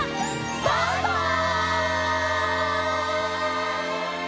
バイバイ！